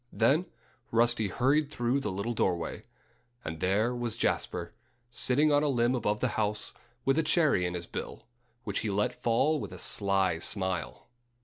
Then Rusty hurried through the little doorway. And there was Jasper, sitting on a limb above the house, with a cherry in his bill, which he let fall with a sly smile.